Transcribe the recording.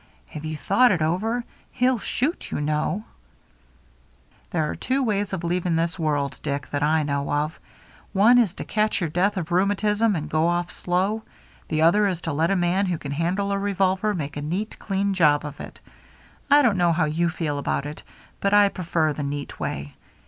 " Have you thought it over ? He'll shoot^ you know." 366 THE MERRT ANNE " There are two ways of leaving this world, Dick, that I know of. One way is to catch your death of rheumatism and go off slow ; the other is to let a man who can handle a revolver make a neat, clean job of it. I don't know how you feel about it, but I prefer the neat way.